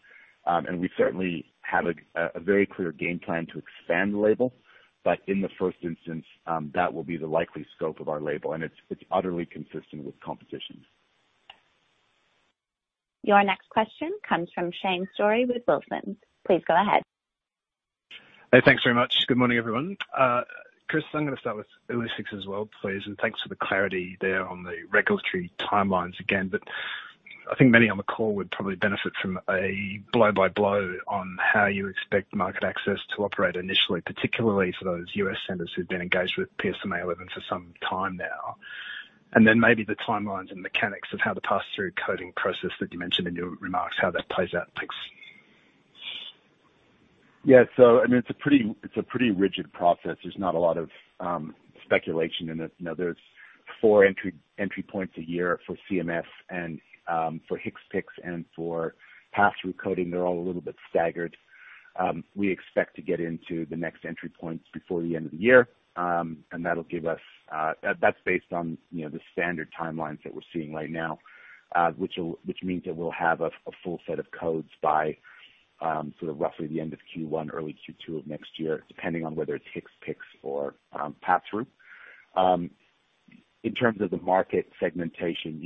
and we certainly have a very clear game plan to expand the label. In the first instance, that will be the likely scope of our label, and it's utterly consistent with competition. Your next question comes from Shane Storey with Wilsons. Please go ahead. Hey, thanks very much. Good morning, everyone. Chris, I'm going to start with Illuccix as well, please, and thanks for the clarity there on the regulatory timelines again, but I think many on the call would probably benefit from a blow-by-blow on how you expect market access to operate initially, particularly for those U.S. centers who've been engaged with PSMA-11 for some time now. Then maybe the timelines and mechanics of how the pass-through coding process that you mentioned in your remarks, how that plays out. Thanks. Yeah. It's a pretty rigid process. There's not a lot of speculation in it. There's four entry points a year for CMS and for HCPCS and for pass-through coding. They're all a little bit staggered. We expect to get into the next entry points before the end of the year, that's based on the standard timelines that we're seeing right now, which means that we'll have a full set of codes by roughly the end of Q1, early Q2 of next year, depending on whether it's HCPCS or pass-through. In terms of the market segmentation,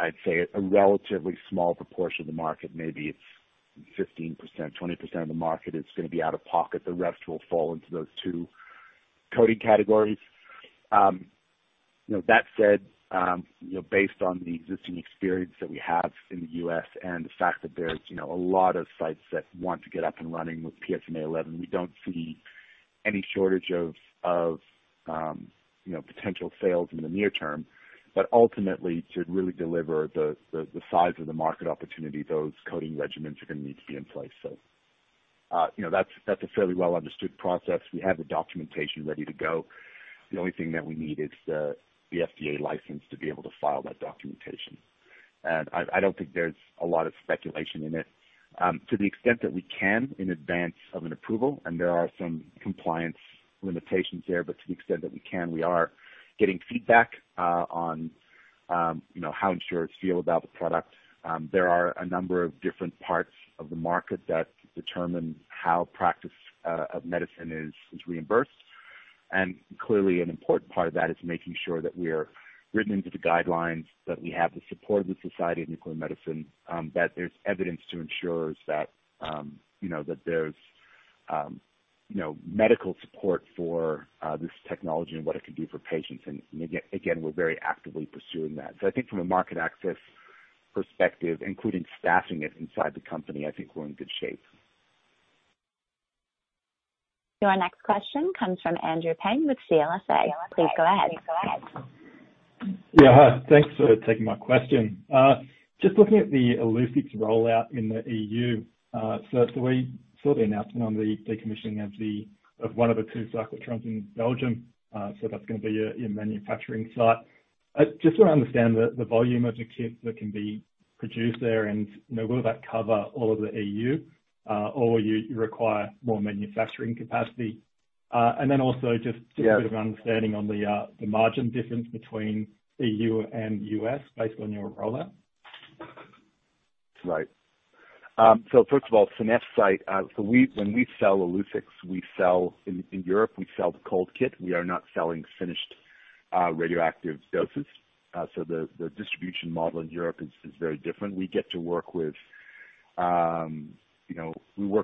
I'd say a relatively small proportion of the market, maybe it's 15%-20% of the market is going to be out of pocket. The rest will fall into those two coding categories. Based on the existing experience that we have in the U.S. and the fact that there's a lot of sites that want to get up and running with PSMA-11, we don't see any shortage of potential sales in the near term. Ultimately, to really deliver the size of the market opportunity, those coding regimens are going to need to be in place. That's a fairly well-understood process. We have the documentation ready to go. The only thing that we need is the FDA license to be able to file that documentation. I don't think there's a lot of speculation in it. To the extent that we can in advance of an approval, and there are some compliance limitations there, but to the extent that we can, we are getting feedback on how insurers feel about the product. There are a number of different parts of the market that determine how practice of medicine is reimbursed. Clearly an important part of that is making sure that we are written into the guidelines, that we have the support of the Society of Nuclear Medicine, that there's evidence to insurers that there's medical support for this technology and what it can do for patients. Again, we're very actively pursuing that. I think from a market access perspective, including staffing it inside the company, I think we're in good shape. Our next question comes from Andrew Paine with CLSA. Please go ahead. Yeah. Hi. Thanks for taking my question. Just looking at the Illuccix rollout in the E.U. We saw the announcement on the decommissioning of one of the two cyclotrons in Belgium. That's going to be your manufacturing site. I just want to understand the volume of the kits that can be produced there and will that cover all of the E.U., or will you require more manufacturing capacity? Yeah. And then also, a bit of understanding on the margin difference between E.U. and U.S. based on your rollout. Right. First of all, Seneffe site, when we sell Illuccix in Europe, we sell the cold kit. We are not selling finished radioactive doses. The distribution model in Europe is very different. We work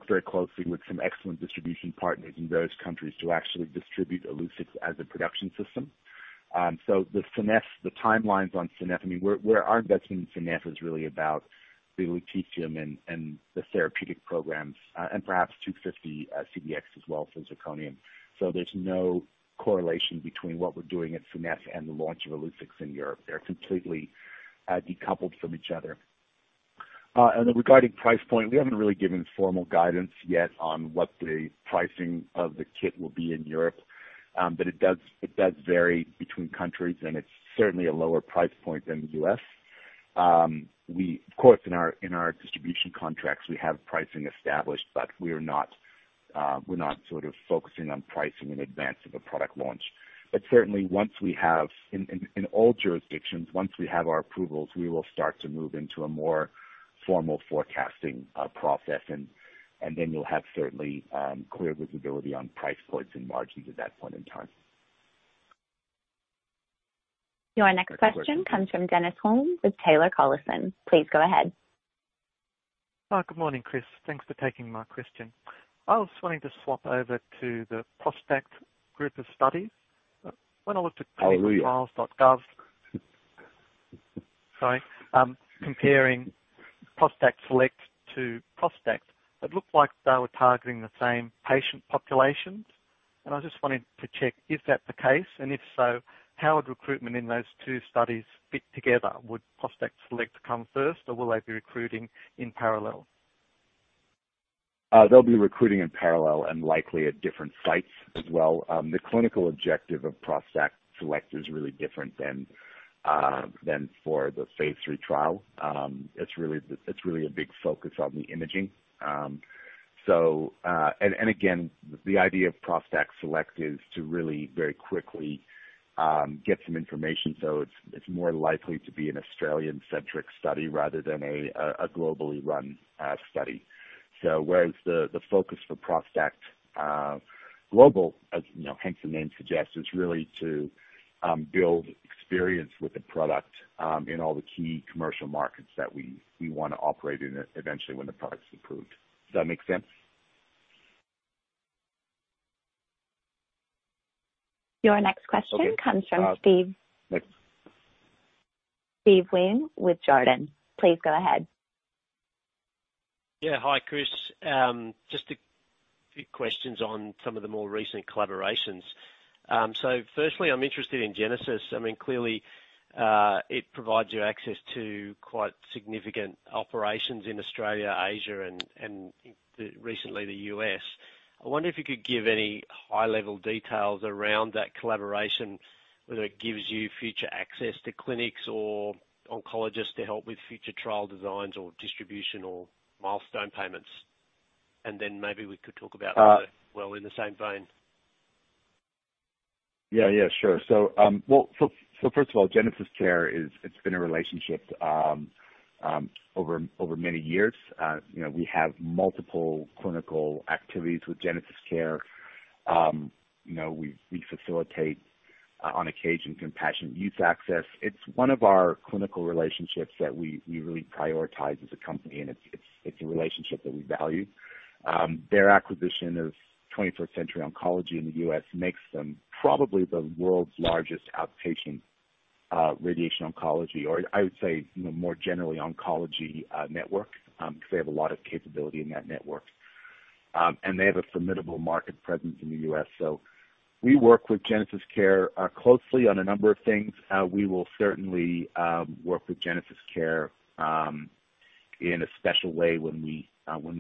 very closely with some excellent distribution partners in various countries to actually distribute Illuccix as a production system. The timelines on Seneffe, our investment in Seneffe is really about the lutetium and the therapeutic programs, and perhaps TLX250-CDx as well for ZIRCON. There's no correlation between what we're doing at Seneffe and the launch of Illuccix in Europe. They're completely decoupled from each other. Regarding price point, we haven't really given formal guidance yet on what the pricing of the kit will be in Europe. It does vary between countries, and it's certainly a lower price point than the U.S. Of course, in our distribution contracts, we have pricing established, but we're not focusing on pricing in advance of a product launch. Certainly, in all jurisdictions, once we have our approvals, we will start to move into a more formal forecasting process, and then you'll have certainly clear visibility on price points and margins at that point in time. Your next question comes from Dennis Hulme with Taylor Collison. Please go ahead. Good morning, Chris. Thanks for taking my question. I was wanting to swap over to the ProstACT group of studies. Oh yeah. [inaudible] clinicaltrials.gov, sorry, comparing ProstACT SELECT to ProstACT, it looked like they were targeting the same patient populations. I just wanted to check, is that the case? If so, how would recruitment in those two studies fit together? Would ProstACT SELECT come first, or will they be recruiting in parallel? They'll be recruiting in parallel and likely at different sites as well. The clinical objective of ProstACT SELECT is really different than for the phase III trial. It's really a big focus on the imaging. Again, the idea of ProstACT SELECT is to really very quickly get some information. It's more likely to be an Australian-centric study rather than a globally run study. Whereas the focus for ProstACT GLOBAL, as you know, hence the name suggests, is really to build experience with the product in all the key commercial markets that we want to operate in eventually when the product's approved. Does that make sense? Your next question comes from Steve. Next. Steven Wheen with Jarden. Please go ahead. Yeah. Hi, Chris. Just a few questions on some of the more recent collaborations. Firstly, I'm interested in GenesisCare. I mean, clearly, it provides you access to quite significant operations in Australia, Asia, and recently the U.S. I wonder if you could give any high-level details around that collaboration, whether it gives you future access to clinics or oncologists to help with future trial designs or distributional milestone payments. Then maybe we could talk about. Uh- Well, in the same vein. Yeah, sure. First of all, GenesisCare, it's been a relationship over many years. We have multiple clinical activities with GenesisCare. We facilitate, on occasion, compassionate use access. It's one of our clinical relationships that we really prioritize as a company, and it's a relationship that we value. Their acquisition of 21st Century Oncology in the U.S. makes them probably the world's largest outpatient radiation oncology, or I would say, more generally, oncology network, because they have a lot of capability in that network. They have a formidable market presence in the U.S. We work with GenesisCare closely on a number of things. We will certainly work with GenesisCare in a special way when we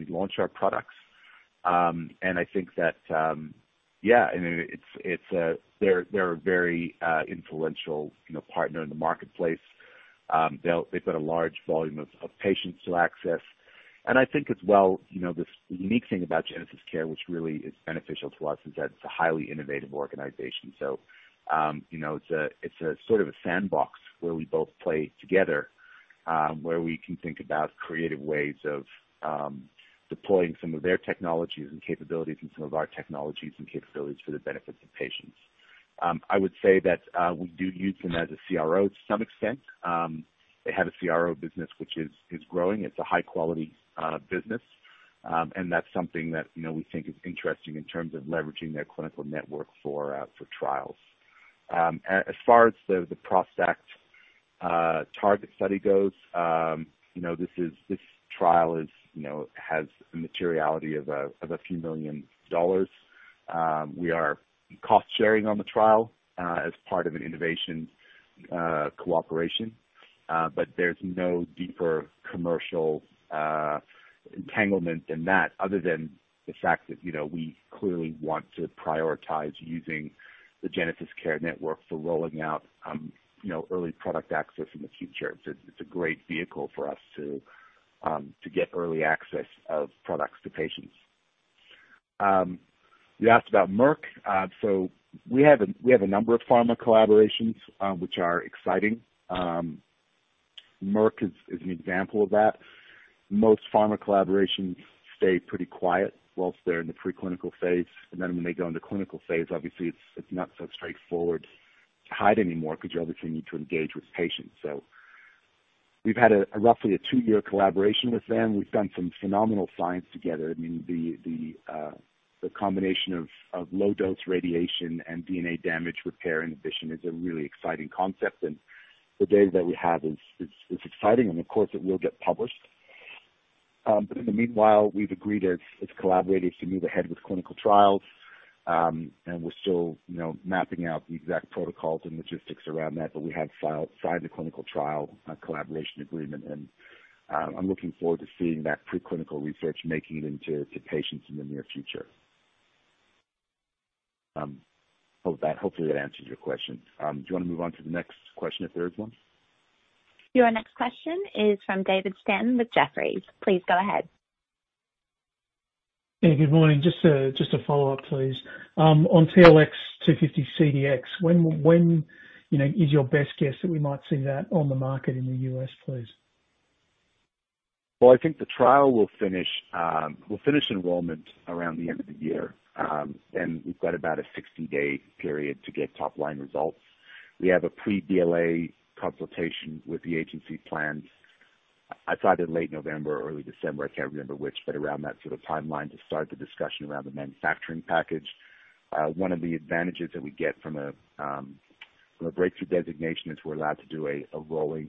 launch our products. I think that, yeah, they're a very influential partner in the marketplace. They've got a large volume of patients to access. I think as well, the unique thing about GenesisCare, which really is beneficial to us, is that it's a highly innovative organization. It's a sort of a sandbox where we both play together, where we can think about creative ways of deploying some of their technologies and capabilities and some of our technologies and capabilities for the benefit of patients. I would say that, we do use them as a CRO to some extent. They have a CRO business, which is growing. It's a high-quality business. That's something that we think is interesting in terms of leveraging their clinical network for trials. As far as the ProstACT TARGET study goes, this trial has a materiality of a few million AUD. We are cost-sharing on the trial, as part of an innovation cooperation. There's no deeper commercial entanglement than that, other than the fact that we clearly want to prioritize using the GenesisCare network for rolling out early product access in the future. It's a great vehicle for us to get early access of products to patients. You asked about Merck. We have a number of pharma collaborations, which are exciting. Merck is an example of that. Most pharma collaborations stay pretty quiet whilst they're in the preclinical phase. When they go into clinical phase, obviously it's not so straightforward to hide anymore because you obviously need to engage with patients. We've had a roughly a two-year collaboration with them. We've done some phenomenal science together. I mean, the combination of low-dose radiation and DNA damage repair inhibition is a really exciting concept, and the data that we have is exciting, and of course, it will get published. In the meanwhile, we've agreed as collaborators to move ahead with clinical trials. We're still mapping out the exact protocols and logistics around that, but we have signed a clinical trial, a collaboration agreement, and I'm looking forward to seeing that preclinical research making it into patients in the near future. Hopefully, that answers your question. Do you want to move on to the next question if there is one? Your next question is from David Stanton with Jefferies. Please go ahead. Yeah, good morning. Just a follow-up, please. On TLX250-CDx, when is your best guess that we might see that on the market in the U.S., please? Well, I think the trial will finish enrollment around the end of the year. We've got about a 60-day period to get top-line results. We have a pre-BLA consultation with the agency planned, either late November or early December, I can't remember which, but around that sort of timeline to start the discussion around the manufacturing package. One of the advantages that we get from a Breakthrough designation is we're allowed to do a rolling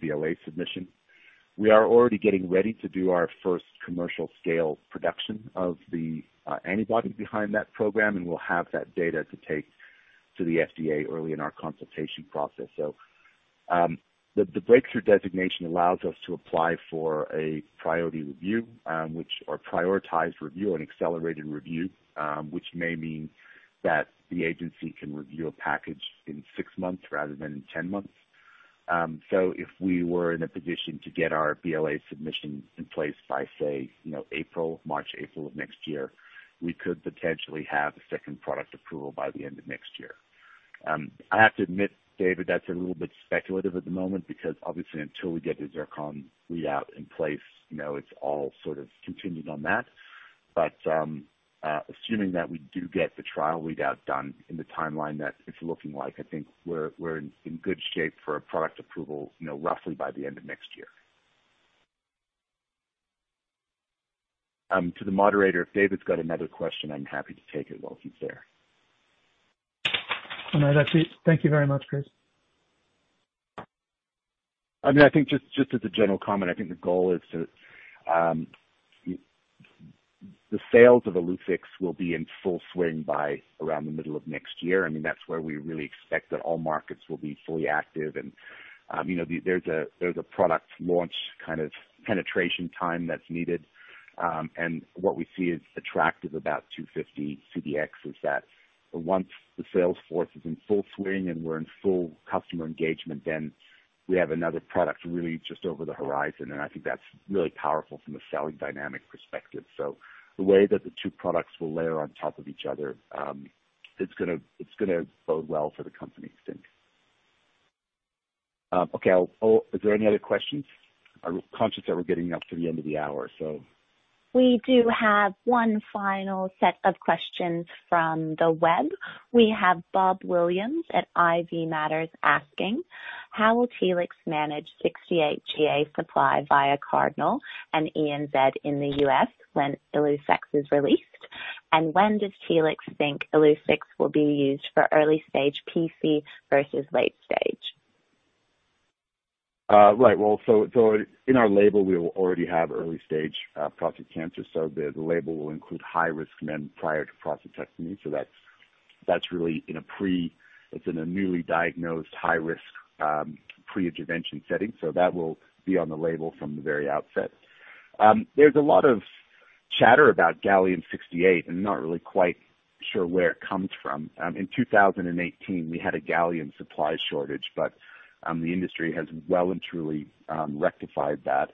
BLA submission. We are already getting ready to do our first commercial-scale production of the antibody behind that program, and we'll have that data to take to the FDA early in our consultation process. The Breakthrough designation allows us to apply for a priority review, which are prioritized review and accelerated review, which may mean that the agency can review a package in six months rather than in 10 months. If we were in a position to get our BLA submission in place by, say, March, April of next year, we could potentially have a second product approval by the end of next year. I have to admit, David, that's a little bit speculative at the moment because obviously, until we get the ZIRCON readout in place, it's all sort of contingent on that. Assuming that we do get the trial readout done in the timeline that it's looking like, I think we're in good shape for a product approval roughly by the end of next year. To the moderator, if David's got another question, I'm happy to take it while he's there. No, that's it. Thank you very much, Chris. I think just as a general comment, I think the goal is the sales of Illuccix will be in full swing by around the middle of next year. That's where we really expect that all markets will be fully active, and there's a product launch kind of penetration time that's needed. What we see is attractive about TLX250-CDx is that once the sales force is in full swing and we're in full customer engagement, then we have another product really just over the horizon, and I think that's really powerful from a selling dynamic perspective. The way that the two products will layer on top of each other, it's going to bode well for the company, I think. Okay. Is there any other questions? I'm conscious that we're getting up to the end of the hour. We do have one final set of questions from the web. We have Bob Williams at IV Matters asking, "How will Telix manage 68Ga supply via Cardinal and Eckert & Ziegler in the U.S. when Illuccix is released? When does Telix think Illuccix will be used for early-stage PC versus late stage? Well, in our label, we will already have early-stage prostate cancer. The label will include high-risk men prior to prostatectomy. That's really in a newly diagnosed high-risk, pre-intervention setting. That will be on the label from the very outset. There's a lot of chatter about gallium-68, and I'm not really quite sure where it comes from. In 2018, we had a gallium supply shortage, The industry has well and truly rectified that.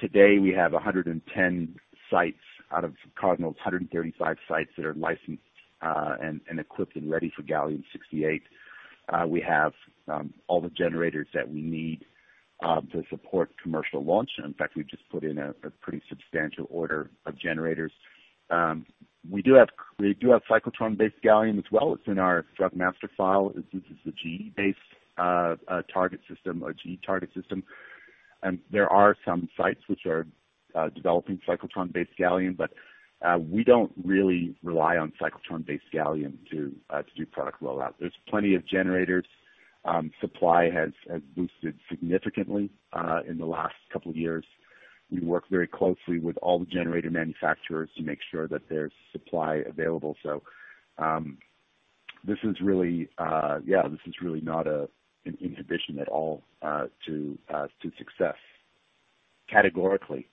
Today we have 110 sites out of Cardinal's 135 sites that are licensed and equipped and ready for gallium-68. We have all the generators that we need to support commercial launch. In fact, we just put in a pretty substantial order of generators. We do have cyclotron-based gallium as well. It's in our Drug Master File. This is a GE-based target system, a GE target system. There are some sites which are developing cyclotron-based gallium, we don't really rely on cyclotron-based gallium to do product rollout. There's plenty of generators. Supply has boosted significantly in the last couple of years. We work very closely with all the generator manufacturers to make sure that there's supply available. This is really not an inhibition at all to success, categorically.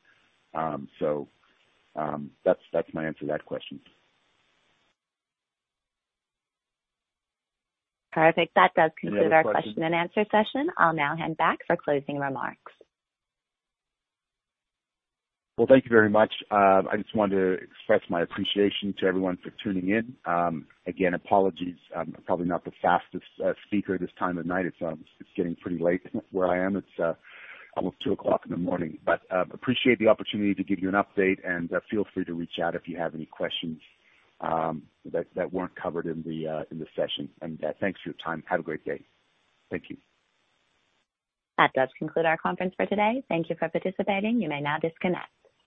That's my answer to that question. Perfect. That does conclude- Any other questions? Our question-and-answer session. I'll now hand back for closing remarks. Well, thank you very much. I just wanted to express my appreciation to everyone for tuning in. Again, apologies. I'm probably not the fastest speaker this time of night. It's getting pretty late where I am. It's almost 2:00 A.M. in the morning. I appreciate the opportunity to give you an update, and feel free to reach out if you have any questions that weren't covered in the session. Thanks for your time. Have a great day. Thank you. That does conclude our conference for today. Thank you for participating. You may now disconnect.